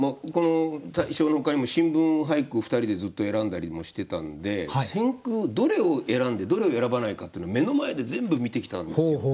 この大賞のほかにも新聞俳句を２人でずっと選んだりもしてたんで選句をどれを選んでどれを選ばないかっていうのを目の前で全部見てきたんですよ。